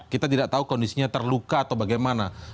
kita tidak tahu kondisinya terluka atau bagaimana